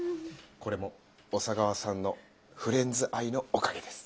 これも小佐川さんのフレンズ愛のおかげです。